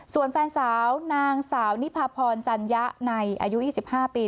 ส่วนแฟนสาวนางสาวนิพาพรจัญญะในอายุ๒๕ปี